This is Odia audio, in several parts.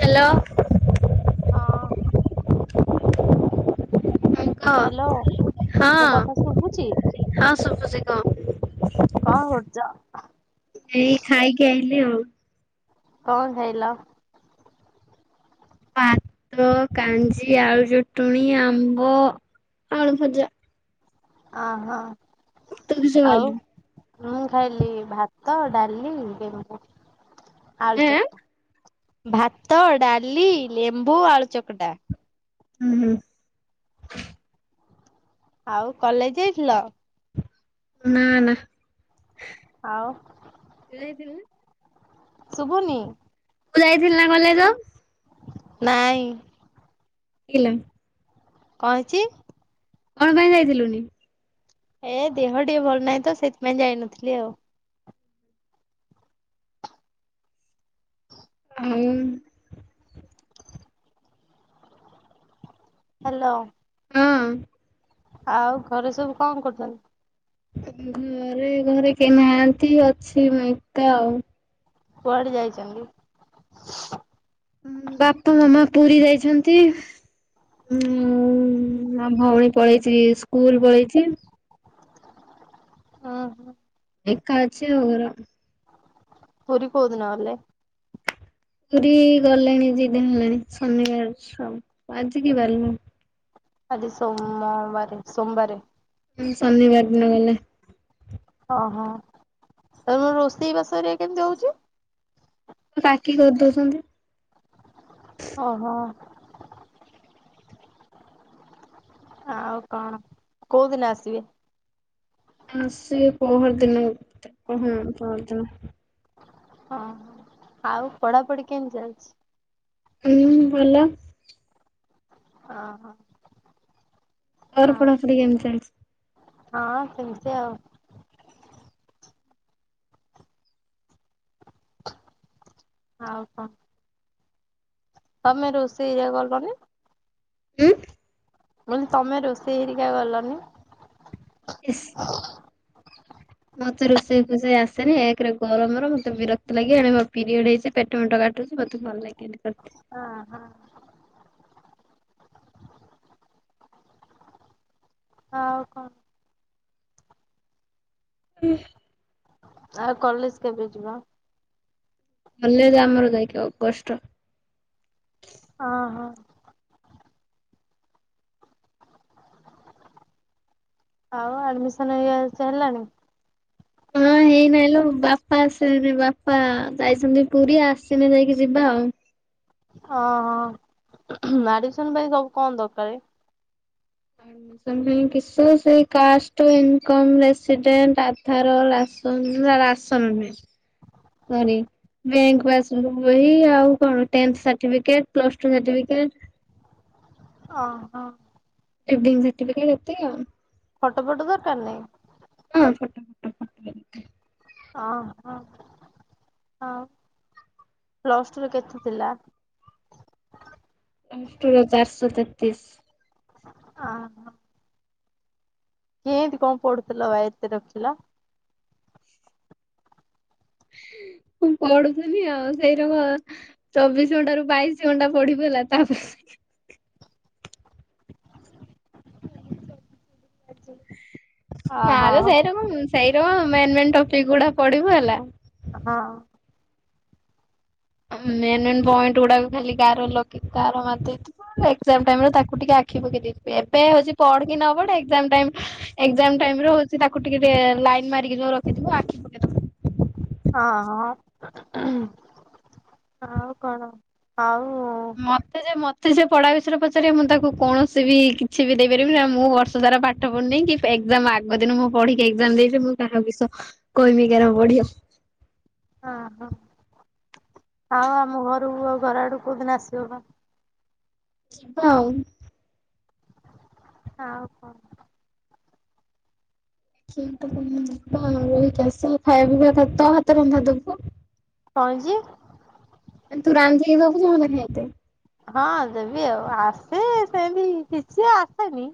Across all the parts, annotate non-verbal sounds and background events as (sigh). ହ୍ୟାଲୋ। ହଁ। କହ ହ୍ୟାଲୋ ହଁ ମୁଁ କଥା ଶୁଭୁଛି। ହଁ ଶୁଭୁଛି କହ କଣ କରୁଛ? ଉଠିଲି ଆଉ। କଣ ଖାଇଲ? ଭାତ କାଞ୍ଜି ଆଳୁ ଚଟୁଣି ଆମ୍ବ। ଆଳୁ ଭଜା। ଅ ହଁ। ତୁ କିସ ଖାଇଲୁ? ମୁଁ ଖାଇଲି ଭାତ ଡାଲି ଲେମ୍ବୁ ଆଳୁ ଏଁ ଚକଟା। ଭାତ ଡାଲି ଲେମ୍ବୁ ଆଳୁ ଚକଟା। ହୁଁ ହୁଁ। ଆଉ କଲେଜ ଯାଇଥିଲ? ନା ନା। ଆଉ ତୁ ଯାଇଥିଲୁ ନା? ଶୁଭୁନି? ତୁ ଯାଇଥିଲୁ ନା କଲେଜ? ନାଇଁ। (unintelligible) କଣ ହେଇଚି? କଣ ପାଇଁ ଯାଇଥିଲୁନି? ଏ ଦେହ ଟିକେ ଭଲ ନାହିଁ ତ ସେଇଥିପାଇଁ ଯାଇନଥିଲି ଆଉ। ହଉ। ହ୍ୟାଲୋ। ହଁ ଆଉ ଘରେ ସବୁ କଣ କରୁଛନ୍ତି? ଘରେ ଘରେ କେହି ନାହାନ୍ତି। ଅଛି ମୁଁ ଏକା ଆଉ। କୁଆଡେ ଯାଇଛନ୍ତି? ବାପା ମାମା ପୁରୀ ଯାଇଛନ୍ତି। ଉଁ ଆଉ ଭଉଣୀ ପଳେଇଛି ସ୍କୁଲ ପଳେଇଛି। ଅ ହୋ। ଏକା ଅଛି। (unintelligible) ପୁରୀ କୋଉଦିନ ଗଲେ? ପୁରୀ ଗଲେଣି ଦି ଦିନ ହେଲାଣି। ଶନିବାର। (unintelligible) ଆଜି ସୋମବାରେ ସୋମବାରେ। ହଁ ଶନିବାର ଦିନ ଗଲେ। ଓହୋ ତ ରୋଷେଇ ବାସରେ କେମତି ହଉଛି? ମୋ କାକି କରିଦଉଛନ୍ତି। ଓହୋ। ଆଉ କଣ କୋଉଦିନ ଆସିବେ? ଆସିବେ ପହରଦିନ ବୋଧେ ହଁ ପହରଦିନ। ହଁ ଆଉ ପଢାପଢି କେମିତି ଚାଲିଛି? ହୁଁ ଭଲ। ଅ ହଁ। ତୋର ପଢା ପଢ଼ି କେମିତି ଚାଲିଛି? ହଁ ସେମିତି ଆଉ। ଆଉ କଣ? ତମେ ରୋଷେଇରେ ଗଲନି। ଉଁ କହିଲି ତମେ ରୋଷେଇ ହେରିକା ଗଲନି। ଇସ୍ (inaudible) ମୋତେ ରୋଷେଇ ଫୋଷେଇ ଆସେନି। ଏକରେ ଗରମର ମତେ ବିରକ୍ତ ଲାଗେ, ଏଣେ ମୋର ପିରିୟଡ଼ ହେଇଛି ଯେ ପେଟ ଫେଟ କାଟୁଛି ମତେ ଭଲ ଲାଗେନି ଅ ହଁ। ଆଉ କଣ? (unintelligible) ଆଉ କଲେଜ କେବେ ଯିବ? କଲେଜ୍ ଆମର ଯାଇକି ଅଗଷ୍ଟ। ଓହୋ ଆଉ ଆଡମିନଇ ହେଲାଣି? ହେଇନାଇଁ ଲୋ ବାପା ଆସଲେ ବାପା ଯାଇଛନ୍ତି ପୁରୀ ଆସିଲେ ଯାଇକି ଯିବା ଆଉ। ହିଁ ହ ଆଡିମିସନ ପାଇଁ ସବୁ କଣ ଦରକାର? ଆଡ଼ମିଶନ ପାଇଁ କିସ ସେଇ କାଷ୍ଟ, ଇନ୍କମ୍, ରେଶିଡେନ୍ଟ, ଆଧାର (unintelligible) ବ୍ୟଙ୍କ ପାସ ବହି ଆଉ କଣ ତେନେଥେ ସାଠୀପିକେଟେ ପ୍ଲତୁ ସାଠିପିକେଟେ। ହ ଏଡିଗ୍ ସଟିଫିକେଟ ଏତେ ଆଉ। ଫୋଟୋ ଫଟୋ ଦରକାର ନାହିଁ। ହଁ ଫଟା ଫଟା (inaudible) ହିଁ ହଁ ହଁ। ପ୍ଲସ ଟୁ ର କେତେ ଥିଲା। ପ୍ଲଷ୍ଟୁର ଚାରିଶ ତେତିଶ। ହଓ। କିମିତି କଣ ପଦୁଥିଲବା ଏତେ ରଖିଲ। ମୁଁ ପଢୁଥିଲିନି ଆଉ ସେଇର ଚବିଶ ଘଣ୍ଟା ରୁ ବାଇଶି ଘଣ୍ଟା ପଢିବ ହେଲା ତାପ ନା ଅହ ଲୋ ସେଇ ରକମ୍ ସେଇ ରକମ ମେନ୍ ମେନ୍ ଟପିକ ଗୁଡ଼ା ପଡିବୁ ହେଲା। ହଁ। ମେନ୍ ମେନ୍ ପଏଣ୍ଟ ଗୁଡାକ ଖାଲି ଗାର ଲଗେ ଗାର ମାରିଦେଇଥିବୁ ନହେଲେ ଏଗଜାମ ଟାଇମ୍ ରେ ତାକୁ ଟିକେ ଆଖି ପକେଇଦେଇ ଥୀବେ ଏବେ ହଉଛି ପଢି କିନ ପଢଏଗଜମି ଟାଇମି ହଉଛି ତାକୁ ଟିକେ ଲାଇନ୍ ମାରିକି ଯଉ ରଖିିବ ଆଖିଖ ହଁ ହଁ ଆଉ କଣ ଆଉ। ସେ ସେ ପଢା ବିଷୟରେ ପଚାର ମୁଁ ତାକୁ କୌଣସି ବି କିଛି ବି ଦେଇପାରିବି ନା ମୁଁ ବର୍ଷ ତାରା ପାଠ ପଢୁନି କି ଏଗଜମ ଆଗ ଦିନ ମୁଁ ପଢିକି ଏାମ ଦେଇି ମୁଁ କାହା ବିଷ କହମି କେନ ପଢଚି। ହଁ ହଁ। ଆଉ ଆମ ଘରୁ ଆ ଘର ଆଡୁ କୋଉଦିନ ଆସିବ? ହଉ। ଆଉ କଣ? (unintelligible) ଆମରଷ ଖାଇବା ପିଇବା ଖ ହାତ ରନ୍ଧା ଦବୁ। ଆଜି। ତୁ ରନ୍ଧାେକିଇ ଦୋବୁ ଖାଇତେ (unintelligible) ହଁ ଦେବି ଆଉ ଆସେ ସେମତି କିଛି ଆସେନି।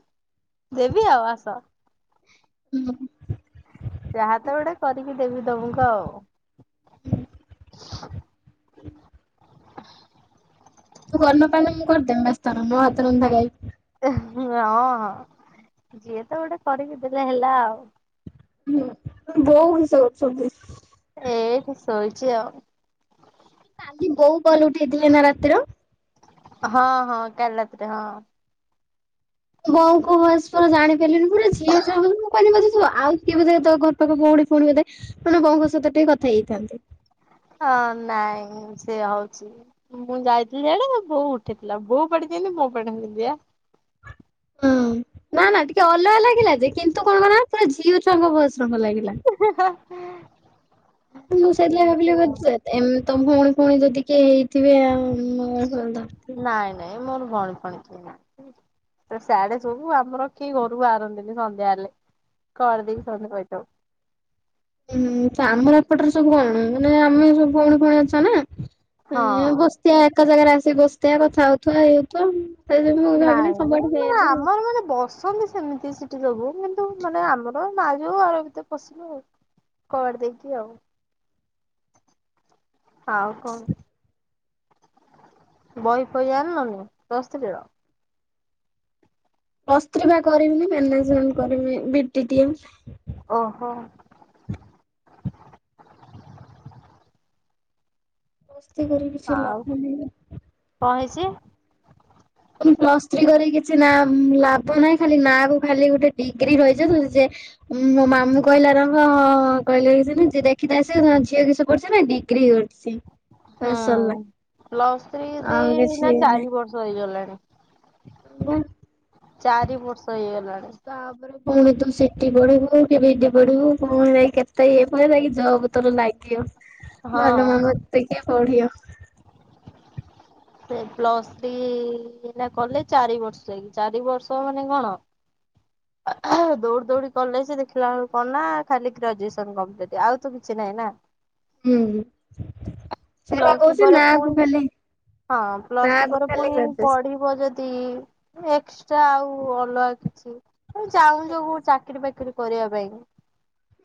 ଦେବି ଆଉ ଆସ। ହୁଁ। ଯାହା ତ ଗୋଟେ କରିକି ଦେବି ତମକୁ ଆଉ। (inaudible) ହ ହ ତମ ହାତ ରନ୍ଧା ଖାଇବି। ହଁ ହଁ ଯିଏତ ଗୋଟେ କରିକି ଦେଲେ ହେଲା ଆଉ। ହୁଁ ବୋଉ କିଷ କରୁଛନ୍ତି? ଏଇଠି ଶୋଇଛି ଆଉ। କାଲି ବୋଉ କଲ ଉଠେଇଥିଲେ ନା ରାତିର? ହଁ ହଁ କାଲରାତିରେ ହଁ। ବୋଉଙ୍କ ଭଏସ ପୁରା ଜାଣି ପାରିଲିନି ପୁରା ଝିଅ ଛୁଆ ମୁଁ କହିଲି ବୋଧେ ଆଉ କିଏ ବୋଧେ ତ ଘର ପାଖ ପୁଣି ପୁଣି ବୋଧେ ମାନେ ବୋଉଙ୍କ ସହିତ ଟିକେ କଥା ହେଇଥାନ୍ତି। ହଁ ନାଇଁ ସେ ହଉଛି ମୁଁ ଯାଇଥିଲି ସେଡେ ବୋଉ ଉଠେଇଥିଲା ବୋଉ ପଡିଛିନି (unintelligible) ହଁ ନା ନା ଟିକେ ଅଲଗା ଲାଗିଲା ଯେ କିନ୍ତୁ କଣ କ ନା ତୁର ଝିଅ ଛୁଆଙ୍କ ଭଏସ ଭଲ ଲାଗିଲା। ହଁ। ମୁଁ ସେଇଥିଲା ଭାବିଲି ଏମ ତମ ଭୋଉଣି ଫୋଉଣି ଯଦି କିଏ ହେଇଥିବେ ଆଉ ନାଇଁ ନାଇଁ ମୋର ଭୋଉଣୀ ଫୋଉଣି କେହି ନାହିଁ ସେ ସିଆଡେ ସବୁ ଆମର କେହି ଘରୁକୁ ବାହାରନ୍ତିନି ସନ୍ଧ୍ୟା ହେଲେ କବାଟ ଦେଇକି ସମସ୍ତେ ପଇଥିବ। ହୁଁ ତ ଆମର ଏପଟରେ ସବୁ କଣ ମାନେ ଆମେ ସବୁ ଭୋଉଣୀ ଫୋଉଣି ଅଛନ୍ତି ନା। ଏ ହଁ ବସିଆ ଏକ ଜାଗାରେ ଆସିିକି ବସିଆ କଥା ହୋଉଥିବା ଇଏ ହୋଉଥିବା। ନାଇଁ ମ ଆମର ମାନେ ବସ ଅଛନ୍ତି ସେମିତି ସେଠି ସବୁ କିନ୍ତୁ ମାନେ ଆମର ମାଝିଅ ଘର ଭିତରେ ପଶିଲୁ ଆଉ କବାଟ ଦେଇକି ଆଉ ଆଉ କଣ? ବହିଫଇ ଆଣିଲନଣି ପ୍ଲସ ଥ୍ରିର ପ୍ଲସ ଥ୍ରି ପା କରିବିନି ମାନେଜମେଣ୍ଟ କରିମି ବି ଟି ଟି ଏମ। ଓହୋ। ପ୍ଲସ ଥ୍ରି କରିକି କିଛି ଆଉ ଲାଭ ନାହିଁ କଣ ନା। ହେଇଛି? ପ୍ଲସ ଥ୍ରୀ କରିକ କିଛି ନା ଲାଭ ନାହିଁ ଖାଲି ନା କୁ ଖାଲି ଗୋଟେ ଡିଗ୍ରୀ ରହିଚ (unintelligible) ଉଁ ମୋ ମାମୁଁ କହିଲା ରଙ୍ଗ ଅ ଅ କହିଲେ କି ଦେଖିଥା ଆ ସେ ଝିଅ କି ସେ ପଢୁଛ ନା ଡିଗ୍ରୀ କରିଚି। ହୁଁ ପ୍ଲସ ଥ୍ରି ଆଉ ସେଇ କିଛି ଏଇନା ଚାରି ବର୍ଷ ହେଇଗଲାଣି। ହଁ ପା। ଚାରି ବର୍ଷ ହେଇଗଲା। ତାପରେ ପୁଣି ତ ସି ଟି ପଢିବୁ କି ବି ଡି ପଢିବୁ କଣ ଯାଇ କେତେ ଇଏ ପାଇି ଜବ ତୋର ନାଗିବ। ଭଲ ହଁ ମାମୁଁ ଏତେ କିଏ ପଢିବ। ସେ ପ୍ଲସ୍ ଥ୍ରୀ ନା କଲେ ଚାରି ବର୍ଷ ଯାଇକି ଚାରି ବର୍ଷ ମାନେ କଣ ଦୌଡି ଦୌଡି କଲେ ଦେଖିଲା ବେଳକୁ କନା ଖାଲି ଗ୍ରାଜୁଏସନ କମ୍ପ୍ଲିଟ ଆଉ ତ କିଛି ନାହିଁ ନାହିଁ ନା। ହୁଁ ସେଇ ପା ପ୍ଲସ୍ ଥ୍ରୀ କୋହୁଚି ପରେ ନା ପୁଣି କୁ ଖାଲି ହଁ ପ୍ଲସ୍ ନାଁ ଥ୍ରୀ କୁ ପରେ ଖାଲି ପୁଣି ଗ୍ରାଜୁଏସନ। ପଢିବ ଯଦି ଏକ୍ସଟ୍ରା ଆଉ ଅଲଗା କିଛି ତ ଚାହୁଁଚ କୋଉ ଚାକିରରି ଫାକିରି କିରି କରିବା ପାଇଁ।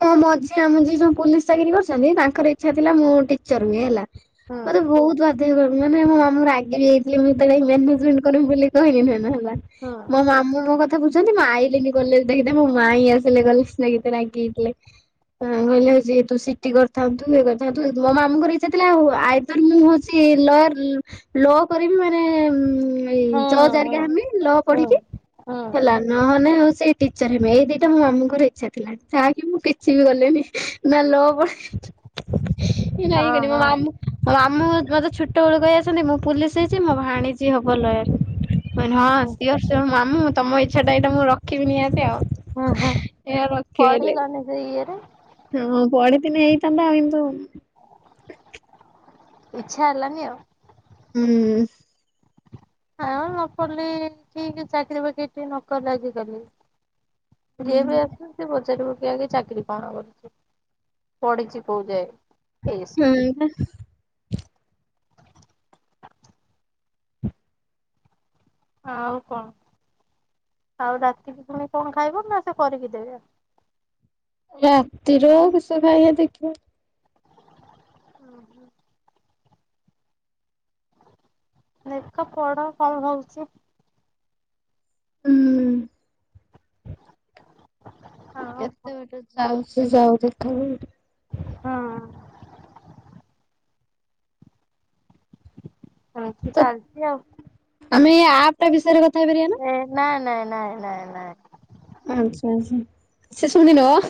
ମୋ ମଝିଆ ମାମୁଁ ଯିଏ ପୁୋଲିସ ଚାକିରି କରୁଛନ୍ତି ତାଙ୍କର ଇଚ୍ଛା ଥିଲା ମୁଁ ଟିଚର ହୁଏ ହେଲା ହୁଁ ମତେ ବହୁତ ବାର ବାଧ୍ୟ କ ମାନେ ମୋ ମାମୁଁ ରାଗିଯାଇଥିଲେ ମୁଁ ଯେତେବଳେ ମାନେଜମେଣ୍ଟ କରିମି ବୋଲି କହିହିଲି ନାଇ ହୁଁ ମୋ ମାମୁଁ ମୋ କଥା କଥା ବୁଝନ୍ତି। ଆଇଲେନି କଲେଜ୍ ମୋ ମାଇଁ ଆସିଲେ କଲେଜ ଏତେ ରାଗିକି ଥିଲେ ହଁ କହିଲେ ହୋଉଚି ତୁ ସିଠି କରିଥାନ୍ତୁ ଇଏ କରିଥାନ୍ତୁ ମୋ ମାମୁଙ୍କର ଇଚ୍ଛା ଥିଲା ଆଉ ଆଇଦର ମୁଁ ହୋଉଛି ଲୟାର ଲୋ କରିବି ମାନେ ଇ ହୁଁ ହୁଁ ଜଜ୍ ହୁଁ ହେରିକା ହେମି ଲ ହୁଁ ପଢିକି ହୁଁ ହେଲା ନହେନେ ଆଉ ସେଇ ଟିଚର ହେମି ଏଇ ଦିଟା ମୋ ମାମୁଙ୍କର ଇଚ୍ଛା ଥିଲା ଯାହାକି ମୁଁ କିଛି ବି କଲିନି ନା ଲ ପଢି ଏ ନାଇଁ ହଁ କଲେ ମୋ ହଁ। ମାମୁଁ ମୁଁ ମୋତେ ଛୋଟ ବେଳୁ କହି ଆସନ୍ତି ମୁଁ ପୁଲିସ ହେଇଚି ମୋ ଭାଣିଜି ହବ ଲୟର ହଁ ସିଏ ଓହୋ ସିଓର ସିଓର୍ ମାମୁ ତମ ଇଚ୍ଛା ଟା ଏଇଟା ମୁଁ ରଖିବି ନିହାତି ଆଉ ହେଲେ ରଖି ପାରିଲିନି। ସେଇ ଇଏରେ ହୁଁ ପଢ଼ଥିଲେ ହେଇଥାନ୍ତା ଆଉ କିନ୍ତୁ ଇଚ୍ଛା ହେଲାନି ଆଉ। ହୁଁ। ହଁ ନ ପଡିଲି ଠିକ ଚାକିର ବାକିରି ଟିକେ ନକଲେ ଆଜିକାଲି ଯିଏ ହୁଁ। ବି ଆସୁଚି ସିଏ ପଚାରିବ ଆଗ ଚାକିରି କଣ କରୁଛି, ପଢିଛି କୋଉ ଯାଏ? ଏଇସବୁ ହୁଁ। ହ ଆଉ କଣ? ଆଉ ରାତି ତୁମେ କଣ ଖାଇବ ନା ସେ କରିକି ଦେବେ ଆଉ? ରାତିର କିଷ ଖାଇଆ ଦେଖିବା। ହଁ ହୋ। ଲେଖ ପଡ କଣ ହଉଛି। ହୁଁ ଆଉ ହୁଁ କେତେ ବାଟେ ଯାଉ ସେ ଯାଉ ଦେଖା ହଁ। ହମ ତ ଚାଲଛି ଆଉ ଆମେ ଏଇ ଆପଟା ବିଷୟରେ କ ନାଇ ନାଇଁ ନାଇଁ ନାଇଁ ନାଇଁ ଆଛା ଆଛା (unintelligible)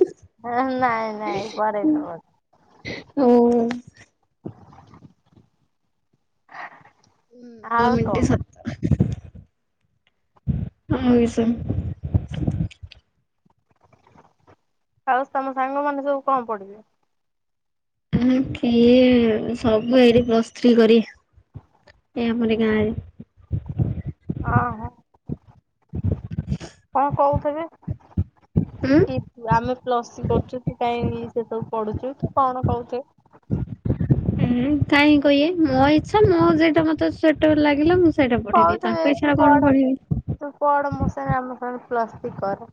ନାଇଁ ନାଇଁ ହଉ (unintelligible) ହୁଁ ଆ ଆଉ ମିିନିଟେ କଣ ସାତ ହଁ, ସେ ହଉ ତମ ସାଙ୍ଗମାନେ ସବୁ କଣ ପଢ଼ିବେ? ଆ କିଏ ସବୁ ଏଇଠି ପ୍ଲସ୍ ଥ୍ରୀ କରି ଆମରି ଗାଁରେ। ହଁ, କଣ କହୁଥିବେ? ଉଁ ଆମେ ପ୍ଲସ୍ ଥ୍ରୀ କରୁଛୁ ତୁ କାଇଁ ସେସବୁ ପଢୁଛୁ କି କଣ କହୁଥିବେ? କାହିଁକି କହିବେ, ମୋ ଇଚ୍ଛା ମ ଯୋଉଟା ମତେ ସ୍ଵଟବେଲ ଲାଗିଲା ମୁ ସେଇଟା ପଢିବି କହୁଥିବେ ତାଙ୍କ ଇଛାରେ କଣ ପଢିବି। ଆମର ପ୍ଲସ ଟୁ ପରେ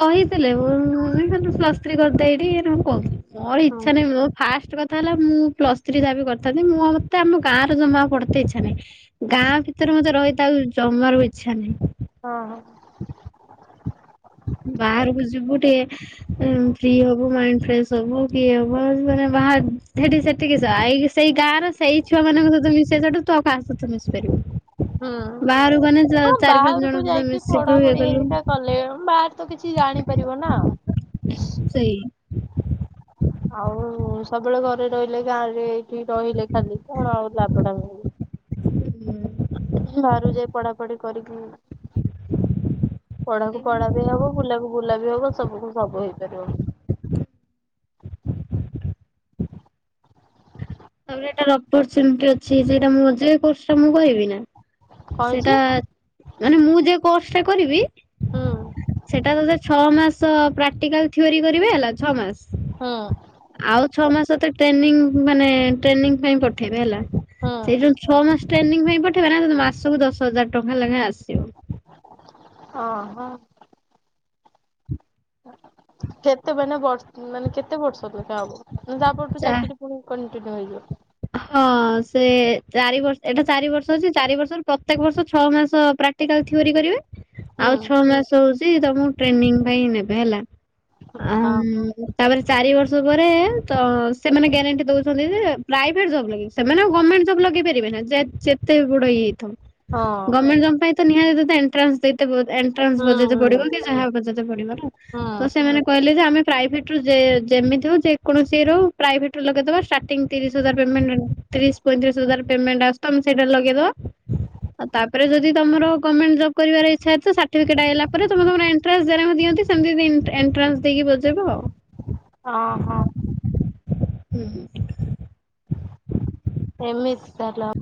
କହିଥିଲେ ମୁ ପ୍ଲସ ଥ୍ରୀ କରିଦେ ଏଠି ମୁଁ କହୁଥିଲି। ମୋର ହୁଁ। ଇଛା ନାହିଁ ଫାଷ୍ଟ କ କଥା ହେଲା ମୁଁ ପ୍ଲସ୍ ଥ୍ରୀ ଦାବି କରିଥାନ୍ତି ମୁଁ ମତେ ଆମ ଗାଁ ର ଜମା ପଢତେ ଇଚ୍ଛା ନାହିଁ ଗାଁ ଭିତରେ ମତେ ରହି ତା ଆଉ ଜମାର ଇଚ୍ଛା ନାହିଁ। ହଁ। ବାହାରକୁ ଯିବୁ ଟିକେ ଫ୍ରି ହବ ମାଇଣ୍ଡ ଫ୍ରେଶ ହବ କିଏ ହବ। ବା ସେଠି ସେଠିକିସ ସେଇ ଗାଁର ସେଇ ଛୁଆ ମାନଙ୍କ ସହିତ ମିଶେଇ ସେଠୁ ତୋ କାହା ସହିତ ମିଶି ପାରିବୁ ହୁଁ ବାହାରକୁ ଗଲେ ହଁ ଚାରି ପାଞ୍ଚ ବାହାରକୁ ଜଣଙ୍କ ସହିତ ଯାଇକି ମିଶିଲୁ ଇଏ ପଢାପଢି କଲୁ ହେରିକା କଲେ ବା ତ କିଛି ଜାଣିପାରିବ ନା। ସେଇ ଆଉ ସବୁବେଳେ ଘରେ ରହିଲେ ଗାଁରେ ଏଇଠି ରହିଲେ ଖାଲି କଣ ଆଉ ଲାଭଟା ମି ହୁଁ। ବାହାରୁ ଯାଇ ପଢାପଢି କରିକି ପଢାକୁ ପଢା ବି ହବ ବୁଲାକୁ ବୁଲା ବି ହବ ସବୁ ସବୁ ହେଇ (unintelligible) ତାପରେ ଏଟାର ଅପରଚୁନିଟି ଅଛି ସେଟା ମୁ (unintelligible) ଟା ମୁଁ କହିବି କଣ ହେଇଛି ସେଇଟା ମାନେ ମୁଁ ଯେ କୋର୍ସଟା କରିବି ହୁଁ ସେଟା ତତେ ଛଅମାସ ପ୍ରାକ୍ଟିକାଲ ଥିଓରି କରିବେ ହେଲା ଛଅମାସ। ହୁଁ ଆଉ ଛଅମାସ ତ ଟ୍ରେନିଂ ମାନେ ଟ୍ରେନିଂ ପାଇଁ ଠେଇବେ ହେଲା। ହୁଁ ସେଇ ଯୋଉ ଛଅମାସ ଟ୍ରେନିଂ ପାଇଁ ପଠେଇବା ନା ମାସକୁ ଦଶ ହଜାର ଟଙ୍କା ଲାଗା ଆସିବ। ହ ହ। କେତେ ମାନେ ବର୍ଷ ମାନେ କେତେ ବର୍ଷ ଲେଗା ହବ? ତା' ପରଠାରୁ ଚା ଚାକିରି ପୁଣି କଣ୍ଟିନ୍ୟୁ ହେଇଯିବ। ହଁ, ସେ ଚାରି ବର୍ଷ ଏଇଟା ଚାରି ବର୍ଷ ଅଛି ଚାରି ବର୍ଷରୁ ପ୍ରତ୍ୟେକ ବର୍ଷ ଛଅ ମାସ ପ୍ରେକଟିକାଲ ଥିଓରୀ କରିବେ, ହୁଁ। ଆଉ ଛଅ ମାସ ହଉଛି ତମକୁ ଟ୍ରେନିଂ ପାଇଁ ନେବେ ହେଲା। ଆ ଓହୋ। ମମ ତାପରେ ଚାରି ବର୍ଷ ପରେ ତ ସେମାନେ ଗ୍ୟାରେଣ୍ଟି ଦଉଛନ୍ତି ଯେ- ପ୍ରାଇଭେଟ୍ ଜବ୍ ଲାଗି, ସେମାନେ ଗର୍ଣ୍ଣମେଣ୍ଟ ଜବ୍ ଲଗେଇ ପାରିବେନା, ଯେ ଯେତେ ବଡ ଇଏ ହେଇଥାଉ। ହଁ। ଗଭର୍ଣମେଣ୍ଟ ଜବ୍ ପାଇଁ ତ ନିହାତି ଏଣ୍ଟ୍ରାନ୍ସ ଦେଇଥିବ ଏଣ୍ଟ୍ରାନ୍ସ ହୁଁ ବଜେଇତେ ହୁଁ। ପଡିବ କି ଯାହା ବଜେଇତେ ପଡିବ, ହୁଁ। ତ ସେମାନେ କହିଲେ ଯେ ଆମେ ପ୍ରାଇଭେଟ୍ ରୁ ଯେ ଯେମିତି ହଉ ଯେକୌଣସି ର ପ୍ରାଇଭେଟ୍ ରୁ ଲଗେଇଦବା ଷ୍ଟାର୍ଟିଂ ତିରିଶ ହଜାର ପେମେଣ୍ଟ ତିରିଶ ପଇଁତିରିଶ ହଜାର ପେମେଣ୍ଟ ଆସ ତମ୍ ସେଇଟାରେ ଲଗେଇଦବ। ଆଉ ତା' ପରେ ଯଦି ତମର ଗମେଣ୍ଟ ଜବ୍ କରିବାରେ ଇଚ୍ଛା ଅଛି ତ ସାର୍ଟିଫିକେଟ୍ ଆଇଲା ପରେ ତମ ତମର ଏଣ୍ଟ୍ରାନ୍ସ ଦେନାକୁ ଦିଅନ୍ତି। ସେମତି ଦେଇ ଏନ ଏଣ୍ଟ୍ରାନ୍ସ ଦେଇକି ବଜେଇବ ଆଉ। ଓହୋ। ହୁଁ ଏମିତି ତାଲାପ